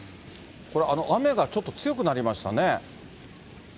これ、雨がちょっと強くなりましたね。